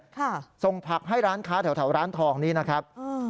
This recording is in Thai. ส่งผักให้ร้านค้าแถวแถวร้านทองนี้นะครับอืม